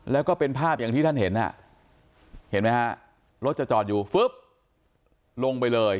แล้วก็เป็นภาพอย่างที่ท่านเห็นเห็นไหมฮะรถจะจอดอยู่ฟึ๊บลงไปเลย